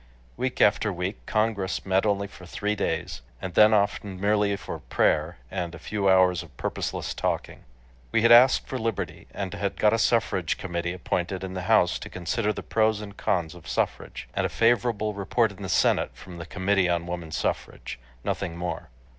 Week after week Congress met only for three days, and then often merely for prayer and a few hours of purposeless talking. We had asked for liberty, and had got a suffrage committee appointed in the House to consider the pros and cons of suffrage, and a favorable report in the Senate from the Committee on Woman Suffrage, nothing more.